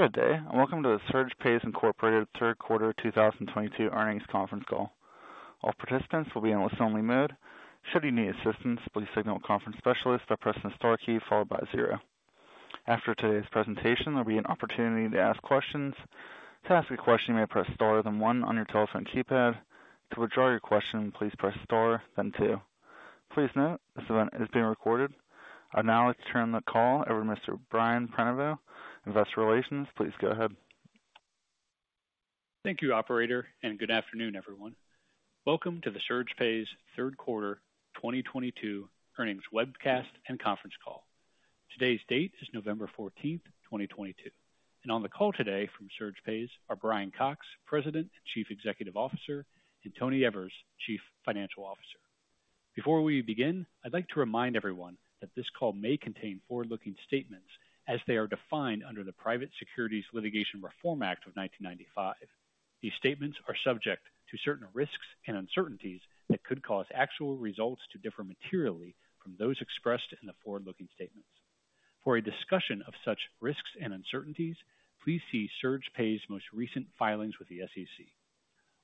Good day, and welcome to the SurgePays, Inc. third quarter 2022 earnings conference call. All participants will be in a listen-only mode. Should you need assistance, please signal a conference specialist by pressing the star key followed by zero. After today's presentation, there'll be an opportunity to ask questions. To ask a question, you may press star then one on your telephone keypad. To withdraw your question, please press star then two. Please note, this event is being recorded. I'd now like to turn the call over to Mr. Brian Prenoveau, Investor Relations. Please go ahead. Thank you, operator, and good afternoon, everyone. Welcome to the SurgePays third quarter 2022 earnings webcast and conference call. Today's date is November 14, 2022. On the call today from SurgePays are Brian Cox, President and Chief Executive Officer, and Tony Evers, Chief Financial Officer. Before we begin, I'd like to remind everyone that this call may contain forward-looking statements as they are defined under the Private Securities Litigation Reform Act of 1995. These statements are subject to certain risks and uncertainties that could cause actual results to differ materially from those expressed in the forward-looking statements. For a discussion of such risks and uncertainties, please see SurgePays most recent filings with the SEC.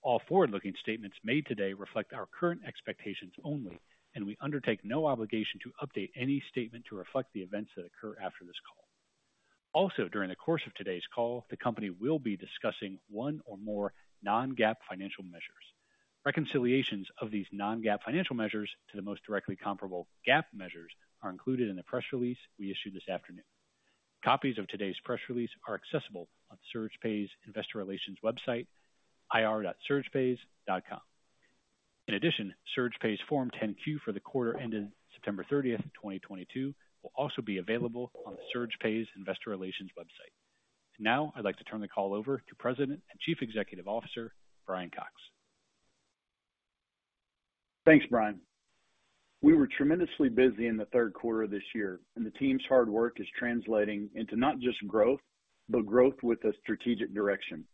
All forward-looking statements made today reflect our current expectations only, and we undertake no obligation to update any statement to reflect the events that occur after this call. Also, during the course of today's call, the company will be discussing one or more non-GAAP financial measures. Reconciliations of these non-GAAP financial measures to the most directly comparable GAAP measures are included in the press release we issued this afternoon. Copies of today's press release are accessible on SurgePays investor relations website, ir.surgepays.com. In addition, SurgePays Form 10-Q for the quarter ended September 30, 2022, will also be available on the SurgePays investor relations website. Now, I'd like to turn the call over to President and Chief Executive Officer, Brian Cox. Thanks, Brian. We were tremendously busy in the third quarter this year, and the team's hard work is translating into not just growth, but growth with a strategic direction.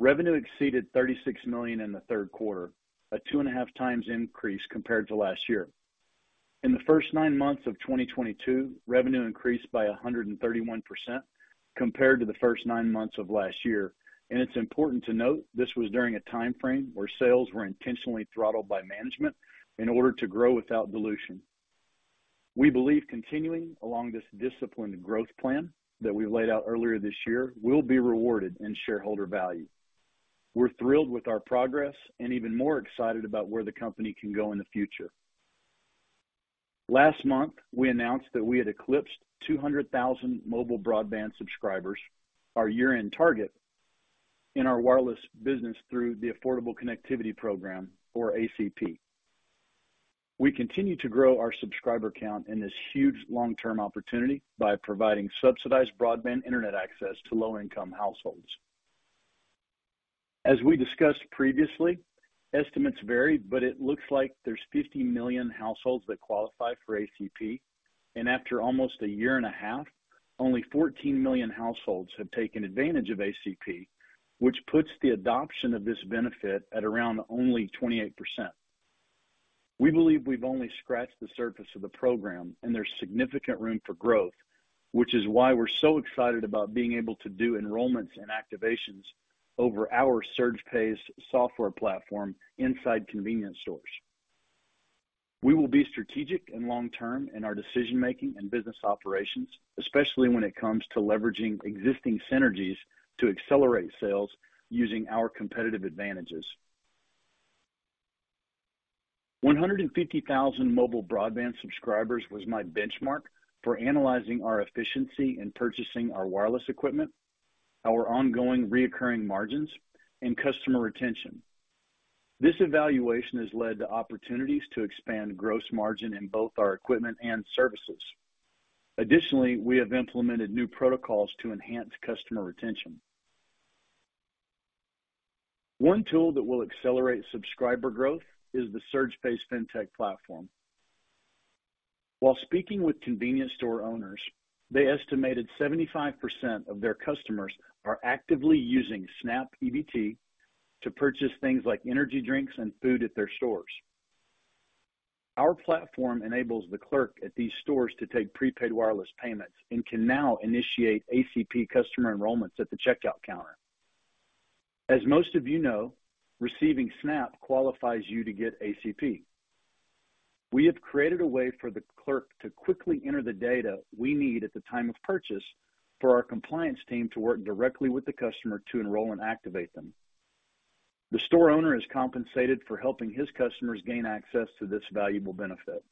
Revenue exceeded $36 million in the third quarter, a 2.5x increase compared to last year. In the first nine months of 2022, revenue increased by 131% compared to the first nine months of last year. It's important to note this was during a timeframe where sales were intentionally throttled by management in order to grow without dilution. We believe continuing along this disciplined growth plan that we laid out earlier this year will be rewarded in shareholder value. We're thrilled with our progress and even more excited about where the company can go in the future. Last month, we announced that we had eclipsed 200,000 mobile broadband subscribers, our year-end target in our wireless business through the Affordable Connectivity Program, or ACP. We continue to grow our subscriber count in this huge long-term opportunity by providing subsidized broadband internet access to low-income households. As we discussed previously, estimates vary, but it looks like there's 50 million households that qualify for ACP. After almost a year and a half, only 14 million households have taken advantage of ACP, which puts the adoption of this benefit at around only 28%. We believe we've only scratched the surface of the program and there's significant room for growth, which is why we're so excited about being able to do enrollments and activations over our SurgePays software platform inside convenience stores. We will be strategic and long-term in our decision-making and business operations, especially when it comes to leveraging existing synergies to accelerate sales using our competitive advantages. 150,000 mobile broadband subscribers was my benchmark for analyzing our efficiency in purchasing our wireless equipment, our ongoing recurring margins, and customer retention. This evaluation has led to opportunities to expand gross margin in both our equipment and services. Additionally, we have implemented new protocols to enhance customer retention. One tool that will accelerate subscriber growth is the SurgePays Fintech platform. While speaking with convenience store owners, they estimated 75% of their customers are actively using SNAP EBT to purchase things like energy drinks and food at their stores. Our platform enables the clerk at these stores to take prepaid wireless payments and can now initiate ACP customer enrollments at the checkout counter. As most of you know, receiving SNAP qualifies you to get ACP. We have created a way for the clerk to quickly enter the data we need at the time of purchase for our compliance team to work directly with the customer to enroll and activate them. The store owner is compensated for helping his customers gain access to this valuable benefit.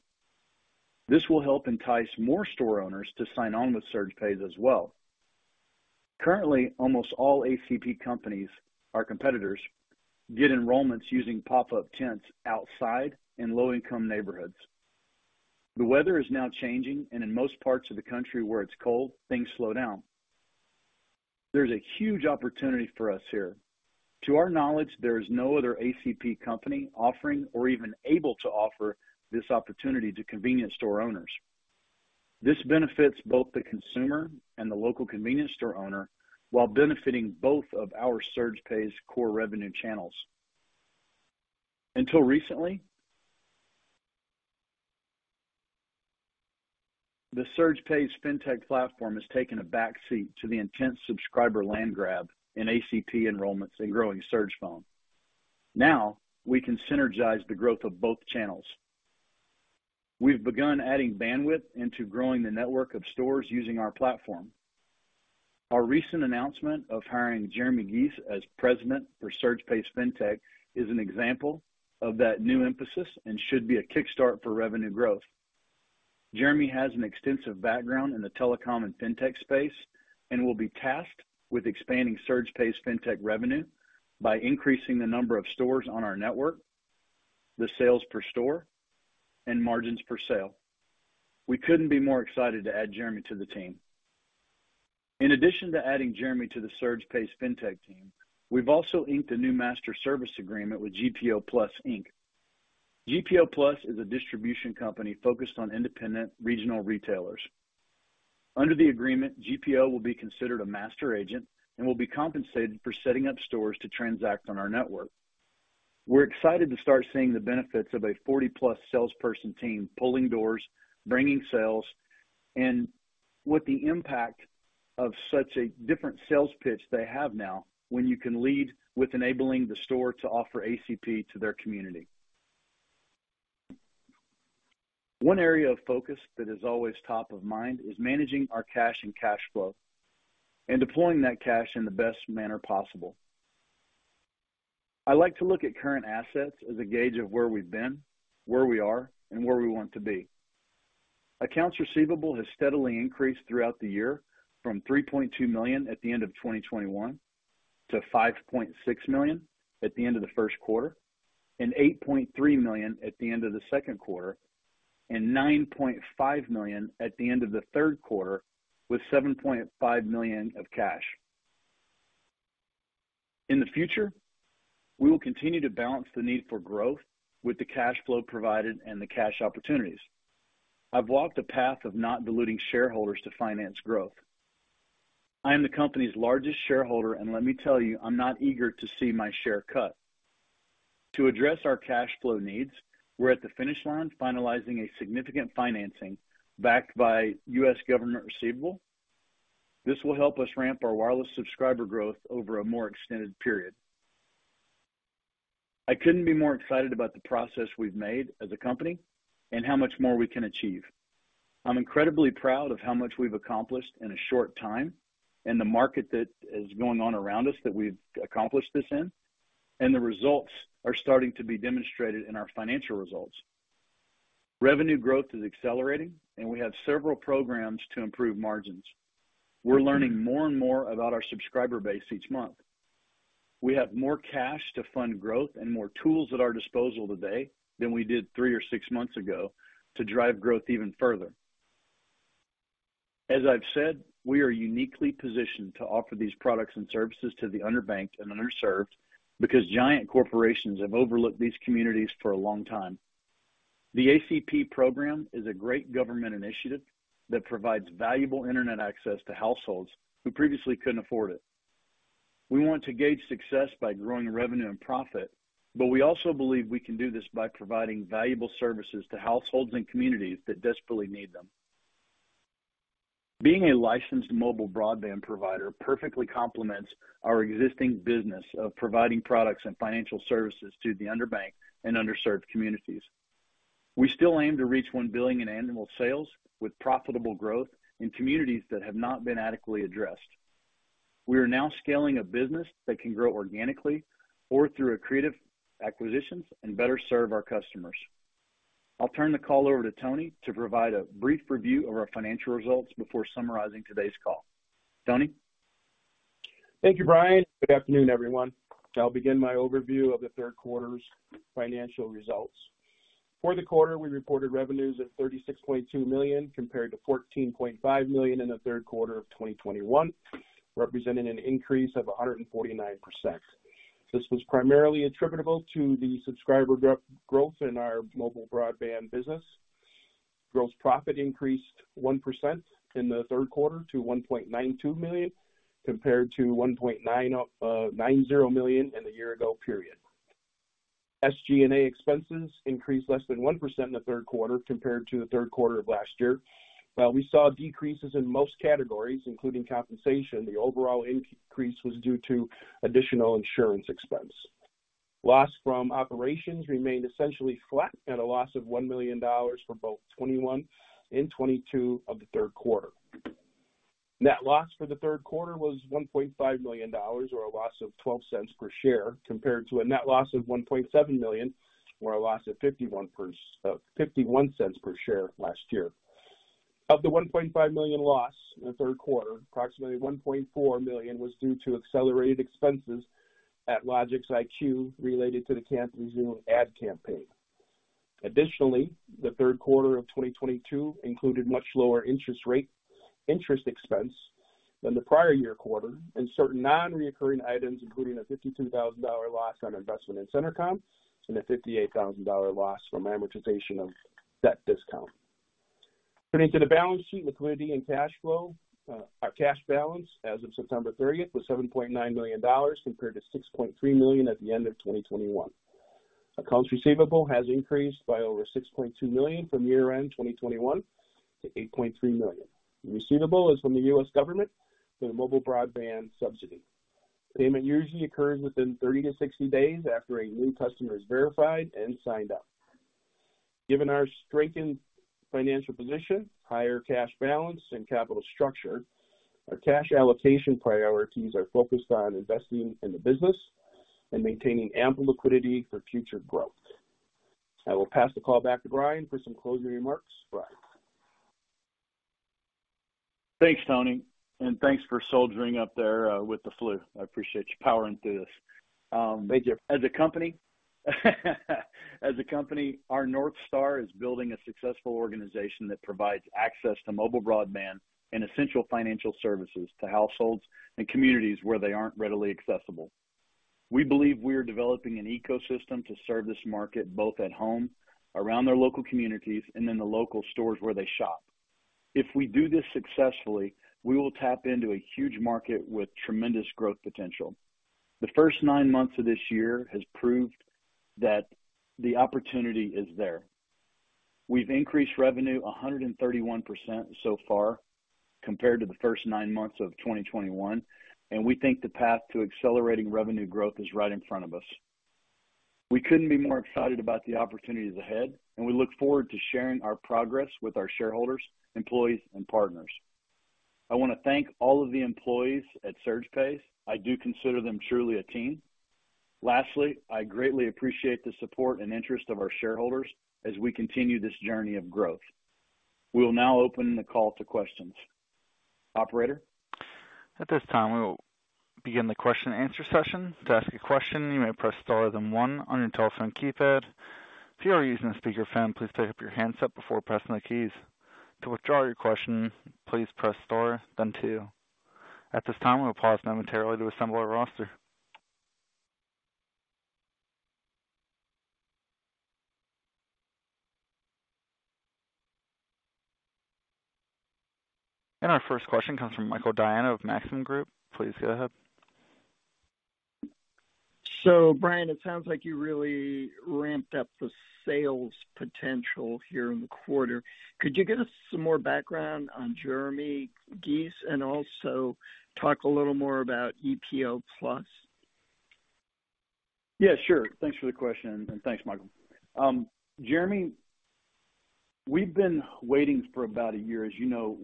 This will help entice more store owners to sign on with SurgePays as well. Currently, almost all ACP companies, our competitors, get enrollments using pop-up tents outside in low-income neighborhoods. The weather is now changing, and in most parts of the country where it's cold, things slow down. There's a huge opportunity for us here. To our knowledge, there is no other ACP company offering or even able to offer this opportunity to convenience store owners. This benefits both the consumer and the local convenience store owner while benefiting both of our SurgePays core revenue channels. Until recently, the SurgePays Fintech platform has taken a back seat to the intense subscriber land grab in ACP enrollments and growing SurgePhone. Now, we can synergize the growth of both channels. We've begun adding bandwidth into growing the network of stores using our platform. Our recent announcement of hiring Jeremy Gies as president for SurgePays Fintech is an example of that new emphasis and should be a kickstart for revenue growth. Jeremy has an extensive background in the telecom and fintech space and will be tasked with expanding SurgePays Fintech revenue by increasing the number of stores on our network, the sales per store, and margins per sale. We couldn't be more excited to add Jeremy to the team. In addition to adding Jeremy to the SurgePays Fintech team, we've also inked a new master service agreement with GPO Plus, Inc. GPO Plus is a distribution company focused on independent regional retailers. Under the agreement, GPO will be considered a master agent and will be compensated for setting up stores to transact on our network. We're excited to start seeing the benefits of a 40+ salesperson team pulling doors, bringing sales, and with the impact of such a different sales pitch they have now when you can lead with enabling the store to offer ACP to their community. One area of focus that is always top of mind is managing our cash and cash flow and deploying that cash in the best manner possible. I like to look at current assets as a gauge of where we've been, where we are, and where we want to be. Accounts receivable has steadily increased throughout the year from $3.2 million at the end of 2021 to $5.6 million at the end of the first quarter and $8.3 million at the end of the second quarter and $9.5 million at the end of the third quarter, with $7.5 million of cash. In the future, we will continue to balance the need for growth with the cash flow provided and the cash opportunities. I've walked a path of not diluting shareholders to finance growth. I am the company's largest shareholder, and let me tell you, I'm not eager to see my share cut. To address our cash flow needs, we're at the finish line finalizing a significant financing backed by U.S. government receivable. This will help us ramp our wireless subscriber growth over a more extended period. I couldn't be more excited about the progress we've made as a company and how much more we can achieve. I'm incredibly proud of how much we've accomplished in a short time and the market that is going on around us that we've accomplished this in, and the results are starting to be demonstrated in our financial results. Revenue growth is accelerating, and we have several programs to improve margins. We're learning more and more about our subscriber base each month. We have more cash to fund growth and more tools at our disposal today than we did three or six months ago to drive growth even further. As I've said, we are uniquely positioned to offer these products and services to the underbanked and underserved because giant corporations have overlooked these communities for a long time. The ACP program is a great government initiative that provides valuable Internet access to households who previously couldn't afford it. We want to gauge success by growing revenue and profit, but we also believe we can do this by providing valuable services to households and communities that desperately need them. Being a licensed mobile broadband provider perfectly complements our existing business of providing products and financial services to the underbanked and underserved communities. We still aim to reach 1 billion in annual sales with profitable growth in communities that have not been adequately addressed. We are now scaling a business that can grow organically or through accretive acquisitions and better serve our customers. I'll turn the call over to Tony to provide a brief review of our financial results before summarizing today's call. Tony. Thank you, Brian. Good afternoon, everyone. I'll begin my overview of the third quarter's financial results. For the quarter, we reported revenues of $36.2 million, compared to $14.5 million in the third quarter of 2021, representing an increase of 149%. This was primarily attributable to the subscriber growth in our mobile broadband business. Gross profit increased 1% in the third quarter to $1.92 million, compared to $1.99 million in the year-ago period. SG&A expenses increased less than 1% in the third quarter compared to the third quarter of last year. We saw decreases in most categories, including compensation. The overall increase was due to additional insurance expense. Loss from operations remained essentially flat at a loss of $1 million for both 2021 and 2022 of the third quarter. Net loss for the third quarter was $1.5 million or a loss of $0.12 per share, compared to a net loss of $1.7 million or a loss of $0.51 per share last year. Of the $1.5 million loss in the third quarter, approximately $1.4 million was due to accelerated expenses at LogicsIQ related to the Can't Resist ad campaign. Additionally, the third quarter of 2022 included much lower interest expense than the prior year quarter, and certain non-recurring items, including a $52,000 loss on investment in Centrecom and a $58,000 loss from amortization of debt discount. Turning to the balance sheet liquidity and cash flow. Our cash balance as of September 30th was $7.9 million, compared to $6.3 million at the end of 2021. Accounts receivable has increased by over $6.2 million from year-end 2021 to $8.3 million. The receivable is from the U.S. government for the mobile broadband subsidy. Payment usually occurs within 30-60 days after a new customer is verified and signed up. Given our strengthened financial position, higher cash balance and capital structure, our cash allocation priorities are focused on investing in the business and maintaining ample liquidity for future growth. I will pass the call back to Brian for some closing remarks. Brian? Thanks, Tony, and thanks for soldiering up there, with the flu. I appreciate you powering through this. Major. As a company, our North Star is building a successful organization that provides access to mobile broadband and essential financial services to households and communities where they aren't readily accessible. We believe we are developing an ecosystem to serve this market, both at home, around their local communities, and in the local stores where they shop. If we do this successfully, we will tap into a huge market with tremendous growth potential. The first nine months of this year has proved that the opportunity is there. We've increased revenue 131% so far compared to the first nine months of 2021, and we think the path to accelerating revenue growth is right in front of us. We couldn't be more excited about the opportunities ahead, and we look forward to sharing our progress with our shareholders, employees, and partners. I wanna thank all of the employees at SurgePays. I do consider them truly a team. Lastly, I greatly appreciate the support and interest of our shareholders as we continue this journey of growth. We will now open the call to questions. Operator? At this time, we will begin the question and answer session. To ask a question, you may press star then one on your telephone keypad. If you are using a speakerphone, please take up your handset before pressing the keys. To withdraw your question, please press star then two. At this time, we'll pause momentarily to assemble our roster. Our first question comes from Michael Diana of Maxim Group. Please go ahead. Brian, it sounds like you really ramped up the sales potential here in the quarter. Could you give us some more background on Jeremy Gies and also talk a little more about GPO Plus? Yeah, sure. Thanks for the question, and thanks, Michael. Jeremy, we've been waiting for about a year. As you know,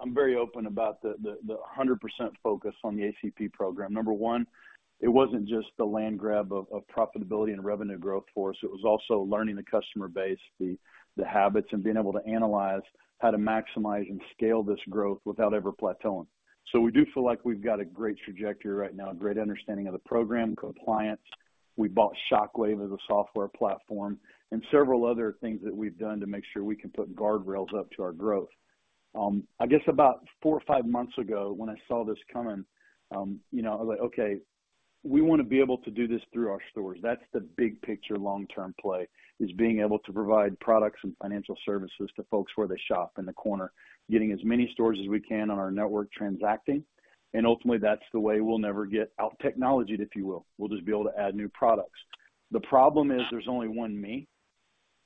I'm very open about the 100% focus on the ACP program. Number one, it wasn't just the land grab of profitability and revenue growth for us. It was also learning the customer base, the habits, and being able to analyze how to maximize and scale this growth without ever plateauing. We do feel like we've got a great trajectory right now, a great understanding of the program compliance. We bought ShockWave as a software platform and several other things that we've done to make sure we can put guardrails up to our growth. I guess about four or five months ago when I saw this coming, you know, I was like, "Okay, we wanna be able to do this through our stores." That's the big picture long-term play, is being able to provide products and financial services to folks where they shop in the corner, getting as many stores as we can on our network transacting, and ultimately that's the way we'll never get out-technologied, if you will. We'll just be able to add new products. The problem is there's only one me,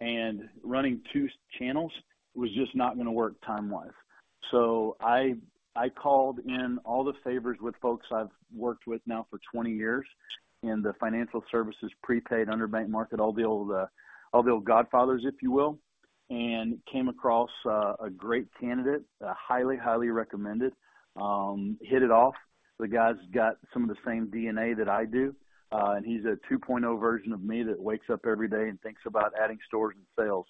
and running two channels was just not gonna work time-wise. I called in all the favors with folks I've worked with now for 20 years in the financial services, prepaid, underbanked market, all the old godfathers, if you will, and came across a great candidate, highly recommended. Hit it off. The guy's got some of the same DNA that I do, and he's a 2.0 version of me that wakes up every day and thinks about adding stores and sales.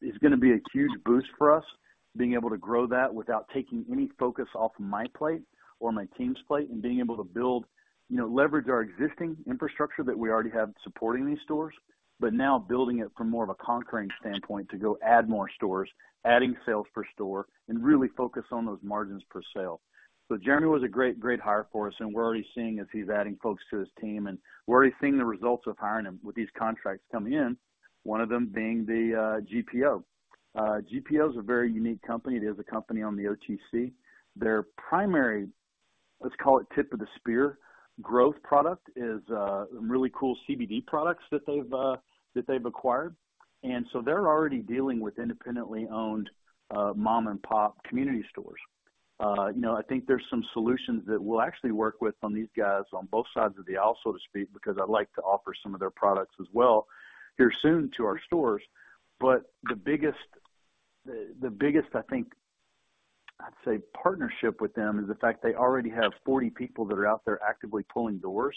It's gonna be a huge boost for us being able to grow that without taking any focus off my plate or my team's plate and being able to build, you know, leverage our existing infrastructure that we already have supporting these stores, but now building it from more of a conquering standpoint to go add more stores, adding sales per store and really focus on those margins per sale. Jeremy was a great hire for us, and we're already seeing as he's adding folks to his team, and we're already seeing the results of hiring him with these contracts coming in, one of them being the GPO. GPO is a very unique company. It is a company on the OTC. Their primary, let's call it tip-of-the-spear growth product is some really cool CBD products that they've acquired. They're already dealing with independently owned mom-and-pop community stores. You know, I think there's some solutions that we'll actually work with on these guys on both sides of the aisle, so to speak, because I'd like to offer some of their products as well here soon to our stores. The biggest, I think, I'd say partnership with them is the fact they already have 40 people that are out there actively pulling doors.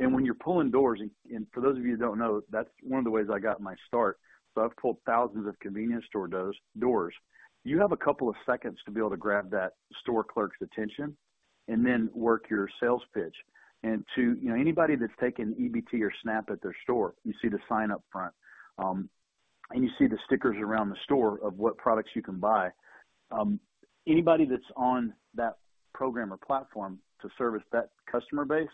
When you're pulling doors, and for those of you who don't know, that's one of the ways I got my start. I've pulled thousands of convenience store doors. You have a couple of seconds to be able to grab that store clerk's attention and then work your sales pitch. You know, anybody that's taken EBT or SNAP at their store, you see the sign up front, and you see the stickers around the store of what products you can buy. Anybody that's on that program or platform to service that customer base,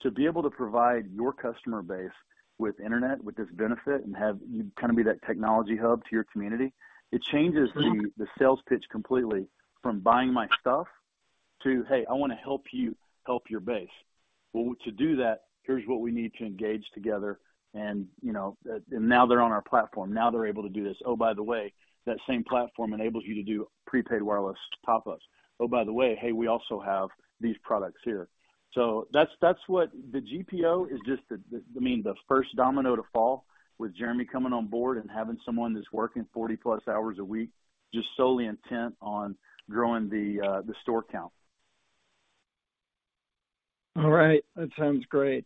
to be able to provide your customer base with internet, with this benefit and have you kinda be that technology hub to your community, it changes the. Mm-hmm The sales pitch completely from buying my stuff to, "Hey, I wanna help you help your base. Well, to do that, here's what we need to engage together." You know, and now they're on our platform. Now they're able to do this. Oh, by the way, that same platform enables you to do prepaid wireless top-ups. Oh, by the way, hey, we also have these products here. So that's what the GPO is just the, I mean, the first domino to fall with Jeremy coming on board and having someone that's working 40+ hours a week, just solely intent on growing the store count. All right. That sounds great.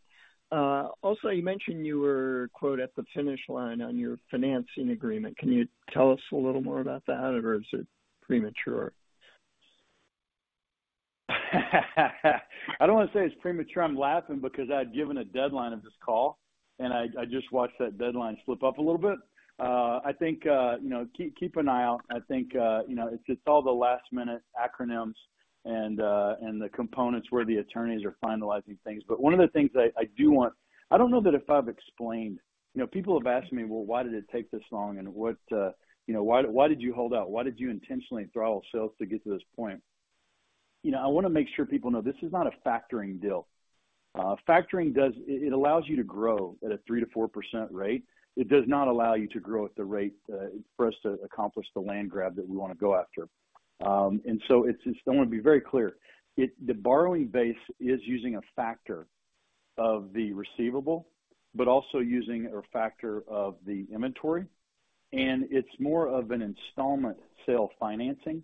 Also, you mentioned you were quote, "At the finish line" on your financing agreement. Can you tell us a little more about that, or is it premature? I don't wanna say it's premature. I'm laughing because I'd given a deadline of this call, and I just watched that deadline slip up a little bit. I think, you know, keep an eye out. I think, you know, it's just all the last-minute acronyms and the components where the attorneys are finalizing things. One of the things I do want. I don't know that if I've explained. You know, people have asked me, "Well, why did it take this long? And what, you know, why did you hold out? Why did you intentionally throttle sales to get to this point?" You know, I wanna make sure people know this is not a factoring deal. Factoring does. It allows you to grow at a 3%-4% rate. It does not allow you to grow at the rate for us to accomplish the land grab that we wanna go after. I wanna be very clear. The borrowing base is using a factor of the receivable, but also using a factor of the inventory, and it's more of an installment sale financing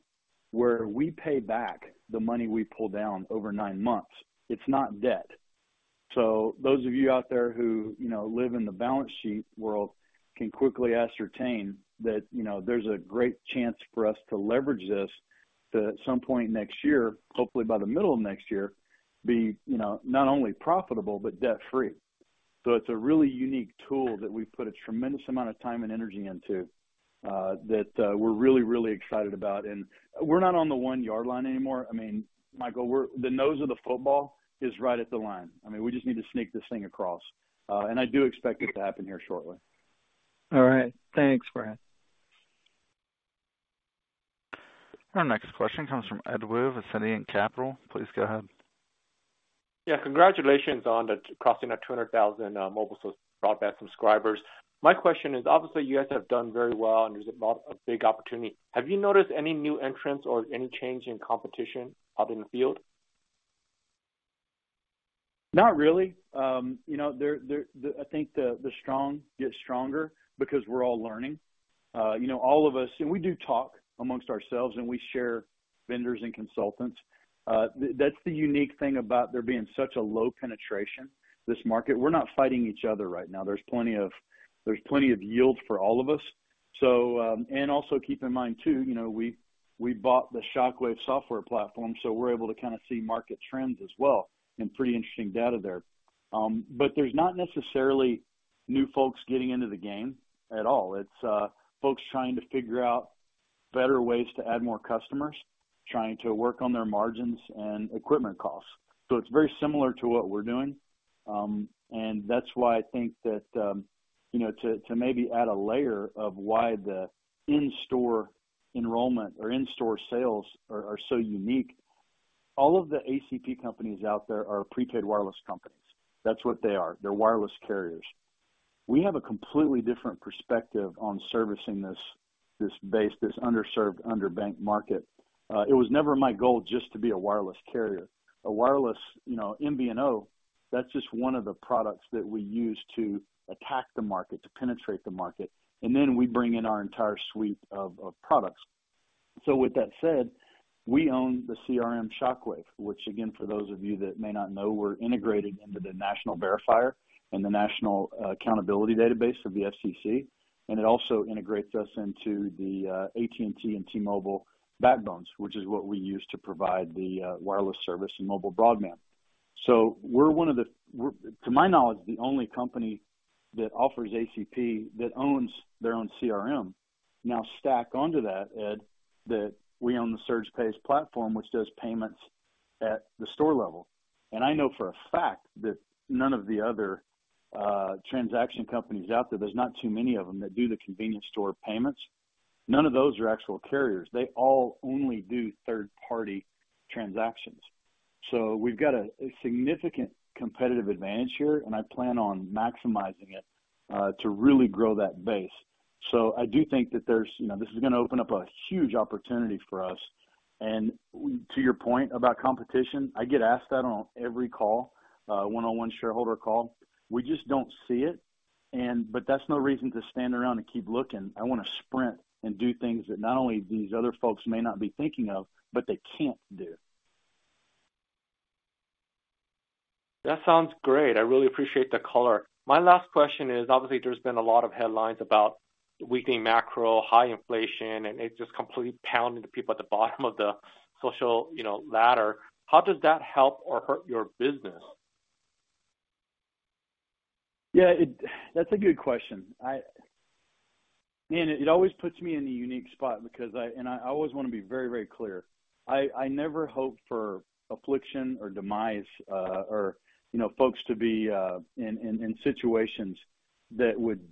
where we pay back the money we pull down over nine months. It's not debt. Those of you out there who, you know, live in the balance sheet world can quickly ascertain that, you know, there's a great chance for us to leverage this to, at some point next year, hopefully by the middle of next year, be, you know, not only profitable, but debt-free. It's a really unique tool that we've put a tremendous amount of time and energy into, that we're really excited about. We're not on the one yard line anymore. I mean, Michael, we're the nose of the football is right at the line. I mean, we just need to sneak this thing across. I do expect it to happen here shortly. All right. Thanks, Brian. Our next question comes from Edward Woo of Ascendiant Capital. Please go ahead. Yeah. Congratulations on crossing that 200,000 mobile broadband subscribers. My question is, obviously, you guys have done very well, and there's a lot, a big opportunity. Have you noticed any new entrants or any change in competition out in the field? Not really. You know, I think the strong get stronger because we're all learning. You know, all of us. We do talk amongst ourselves, and we share vendors and consultants. That's the unique thing about there being such a low penetration, this market. We're not fighting each other right now. There's plenty of yield for all of us. Also keep in mind too, you know, we bought the ShockWave software platform, so we're able to kinda see market trends as well, and pretty interesting data there. There's not necessarily new folks getting into the game at all. It's folks trying to figure out better ways to add more customers, trying to work on their margins and equipment costs. It's very similar to what we're doing, and that's why I think that, you know, to maybe add a layer of why the in-store enrollment or in-store sales are so unique. All of the ACP companies out there are prepaid wireless companies. That's what they are. They're wireless carriers. We have a completely different perspective on servicing this base, this underserved, underbanked market. It was never my goal just to be a wireless carrier. A wireless, you know, MVNO, that's just one of the products that we use to attack the market, to penetrate the market, and then we bring in our entire suite of products. With that said, we own the CRM ShockWave, which again, for those of you that may not know, we're integrating into the National Verifier and the national accountability database of the FCC, and it also integrates us into the AT&T and T-Mobile backbones, which is what we use to provide the wireless service and mobile broadband. We're one of the, to my knowledge, the only company that offers ACP that owns their own CRM. Now, stack onto that, Ed, that we own the SurgePays platform, which does payments at the store level. I know for a fact that none of the other transaction companies out there's not too many of them that do the convenience store payments, none of those are actual carriers. They all only do third-party transactions. We've got a significant competitive advantage here, and I plan on maximizing it to really grow that base. I do think that there's you know this is gonna open up a huge opportunity for us. To your point about competition, I get asked that on every call one-on-one shareholder call. We just don't see it, but that's no reason to stand around and keep looking. I wanna sprint and do things that not only these other folks may not be thinking of, but they can't do. That sounds great. I really appreciate the color. My last question is, obviously, there's been a lot of headlines about weakening macro, high inflation, and it's just completely pounding the people at the bottom of the social, you know, ladder. How does that help or hurt your business? That's a good question. Man, it always puts me in a unique spot because I always wanna be very, very clear. I never hope for affliction or demise, you know, folks to be in situations that would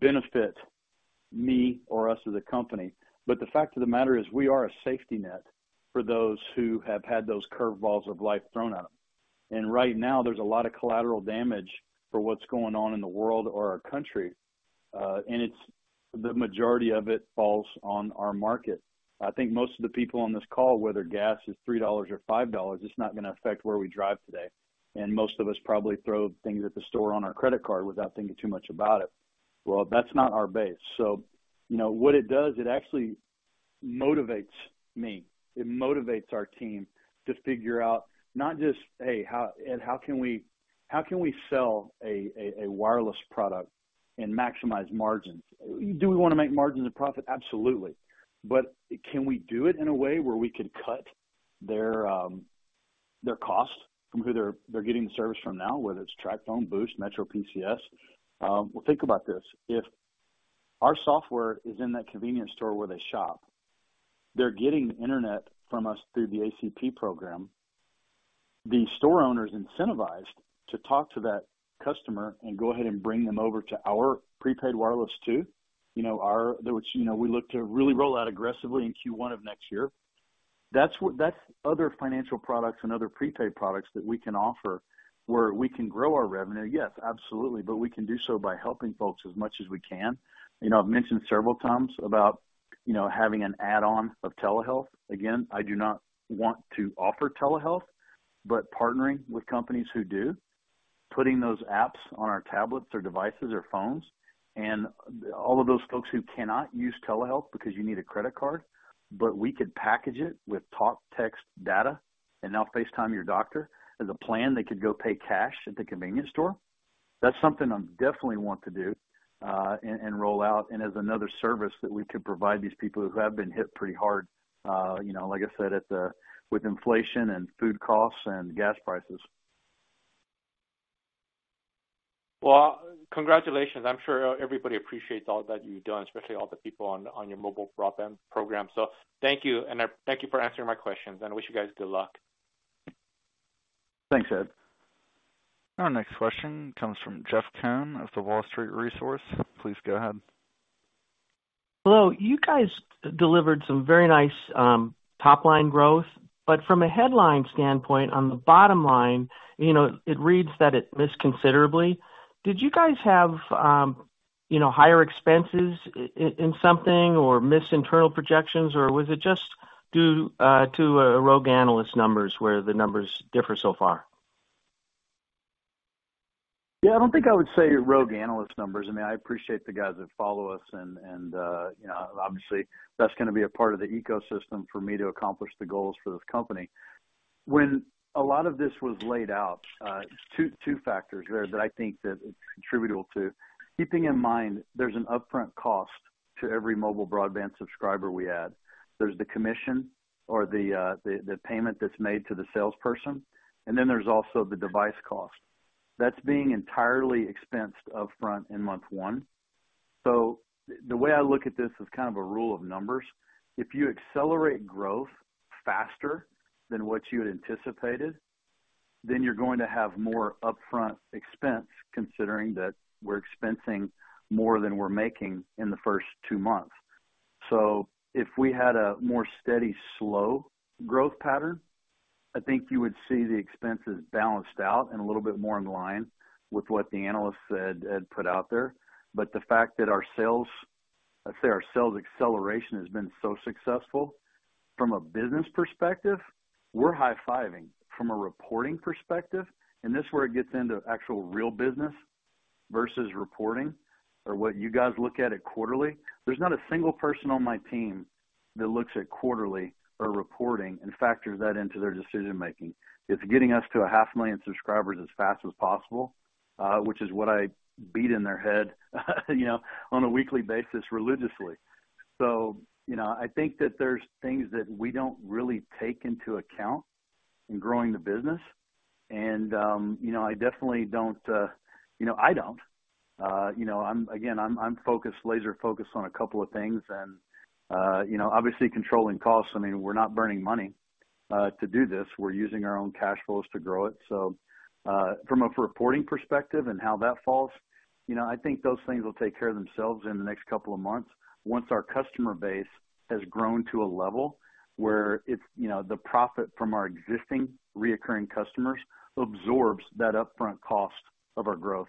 benefit me or us as a company. The fact of the matter is we are a safety net for those who have had those curveballs of life thrown at them. Right now, there's a lot of collateral damage for what's going on in the world or our country, and it's the majority of it falls on our market. I think most of the people on this call, whether gas is $3 or $5, it's not gonna affect where we drive today. Most of us probably buy things at the store on our credit card without thinking too much about it. Well, that's not our base. You know, what it does, it actually motivates me. It motivates our team to figure out not just, hey, how can we sell a wireless product and maximize margins? Do we wanna make margins and profit? Absolutely. But can we do it in a way where we could cut their costs from who they're getting the service from now, whether it's TracFone, Boost Mobile, Metro by T-Mobile. Well, think about this, if our software is in that convenience store where they shop, they're getting the Internet from us through the ACP program. The store owner is incentivized to talk to that customer and go ahead and bring them over to our prepaid wireless too. You know, our... There was, you know, we look to really roll out aggressively in Q1 of next year. That's other financial products and other prepaid products that we can offer, where we can grow our revenue, yes, absolutely, but we can do so by helping folks as much as we can. You know, I've mentioned several times about, you know, having an add-on of telehealth. Again, I do not want to offer telehealth, but partnering with companies who do, putting those apps on our tablets or devices or phones and all of those folks who cannot use telehealth because you need a credit card, but we could package it with talk, text, data, and now FaceTime your doctor, as a plan, they could go pay cash at the convenience store. That's something I definitely want to do, and roll out, and as another service that we could provide these people who have been hit pretty hard, you know, like I said, with inflation and food costs and gas prices. Well, congratulations. I'm sure everybody appreciates all that you've done, especially all the people on your mobile broadband program. Thank you. Thank you for answering my questions. I wish you guys good luck. Thanks, Ed. Our next question comes from Jeff Cann of The Wall Street Resource. Please go ahead. Hello. You guys delivered some very nice top-line growth, but from a headline standpoint, on the bottom line, you know, it reads that it missed considerably. Did you guys have, you know, higher expenses in something or missed internal projections, or was it just due to rogue analyst numbers where the numbers differ so far? Yeah. I don't think I would say rogue analyst numbers. I mean, I appreciate the guys that follow us and you know, obviously, that's gonna be a part of the ecosystem for me to accomplish the goals for this company. When a lot of this was laid out, two factors there that I think that it's attributable to. Keeping in mind there's an upfront cost to every mobile broadband subscriber we add. There's the commission or the payment that's made to the salesperson, and then there's also the device cost. That's being entirely expensed upfront in month one. The way I look at this is kind of a rule of numbers. If you accelerate growth faster than what you had anticipated, then you're going to have more upfront expense, considering that we're expensing more than we're making in the first two months. If we had a more steady, slow growth pattern, I think you would see the expenses balanced out and a little bit more in line with what the analysts said, had put out there. The fact that our sales, let's say our sales acceleration has been so successful from a business perspective, we're high-fiving. From a reporting perspective, and this is where it gets into actual real business versus reporting or what you guys look at it quarterly. There's not a single person on my team that looks at quarterly or reporting and factors that into their decision-making. It's getting us to a half million subscribers as fast as possible, which is what I beat in their head, you know, on a weekly basis, religiously. You know, I think that there's things that we don't really take into account in growing the business. You know, I definitely don't, you know, again, I'm focused, laser-focused on a couple of things and, you know, obviously controlling costs. I mean, we're not burning money to do this. We're using our own cash flows to grow it. From a reporting perspective and how that falls, you know, I think those things will take care of themselves in the next couple of months once our customer base has grown to a level where it's, you know, the profit from our existing recurring customers absorbs that upfront cost of our growth.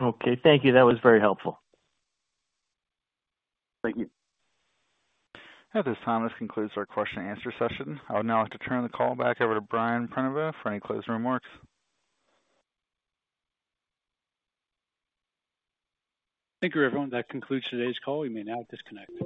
Okay. Thank you. That was very helpful. Thank you. At this time, this concludes our question and answer session. I would now like to turn the call back over to Brian Prenoveau for any closing remarks. Thank you, everyone. That concludes today's call. You may now disconnect.